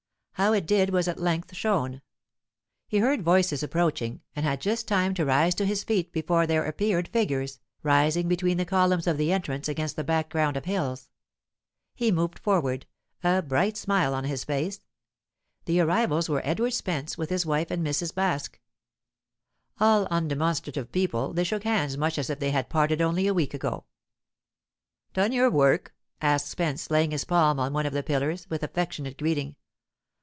How it did was at length shown. He heard voices approaching, and had just time to rise to his feet before there appeared figures, rising between the columns of the entrance against the background of hills. He moved forward, a bright smile on his face. The arrivals were Edward Spence, with his wife and Mrs. Baske. All undemonstrative people, they shook hands much as if they had parted only a week ago. "Done your work?" asked Spence, laying his palm on one of the pillars, with affectionate greeting.